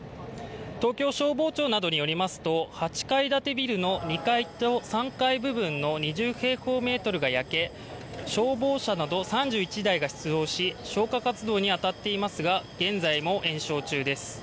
東京消防庁などによりますと８階建てビルの２階と３階部分の２０平方メートルが焼け、消防車など３１台が消火活動に当たっていますが、現在も延焼中です。